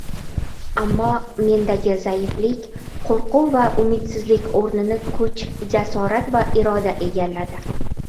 Ammo mendagi zaiflik, qo‘rquv va umidsizlik o‘rnini kuch, jasorat va iroda egalladi.